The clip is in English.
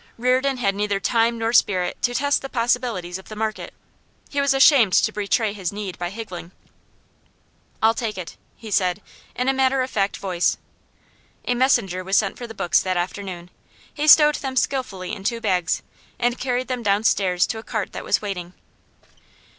Reardon had neither time nor spirit to test the possibilities of the market; he was ashamed to betray his need by higgling. 'I'll take it,' he said, in a matter of fact voice. A messenger was sent for the books that afternoon. He stowed them skilfully in two bags, and carried them downstairs to a cart that was waiting.